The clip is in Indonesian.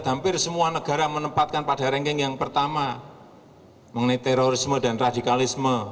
hampir semua negara menempatkan pada ranking yang pertama mengenai terorisme dan radikalisme